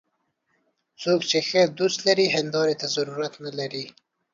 څوک چې ښه دوست لري، هنداري ته ضرورت نه لري